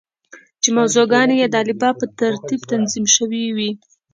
چې موضوع ګانې یې د الفبا په ترتیب تنظیم شوې وې.